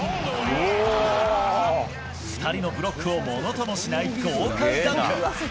２人のブロックをものともしない豪快ダンク。